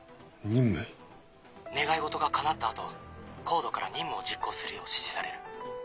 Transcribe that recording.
願い事が叶った後ＣＯＤＥから任務を実行するよう指示される。